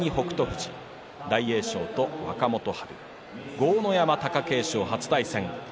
豪ノ山、貴景勝初対戦です。